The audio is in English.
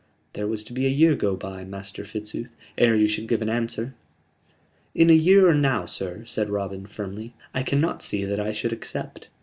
"There was to be a year go by, Master Fitzooth, ere you should give answer." "In a year or now, sir," said Robin, firmly, "I cannot see that I should accept.